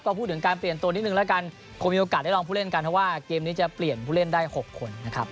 ก็พูดถึงการเปลี่ยนตัวนิดนึงแล้วกันคงมีโอกาสได้ลองผู้เล่นกันเพราะว่าเกมนี้จะเปลี่ยนผู้เล่นได้๖คนนะครับ